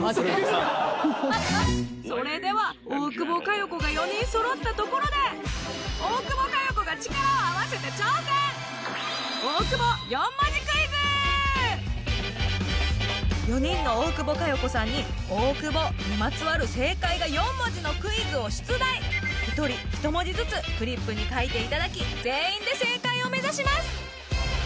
それでは大久保佳代子が４人そろったところで４人の大久保佳代子さんに大久保にまつわる正解が４文字のクイズを出題１人１文字ずつフリップに書いていただき全員で正解を目指します